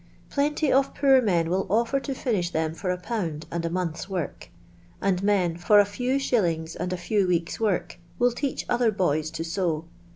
Plenty of poor men vill o:Ter to fir.isb then for a pound and a month's work; and men, for a few shillings and a few weeks* work, will teach other boys to sew.